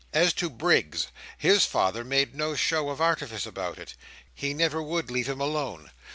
As to Briggs, his father made no show of artifice about it. He never would leave him alone.